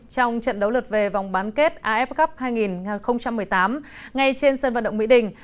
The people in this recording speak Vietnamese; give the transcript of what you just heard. trong trận đấu lượt về vòng bán kết af cup hai nghìn một mươi tám ngay trên sân vận động mỹ đình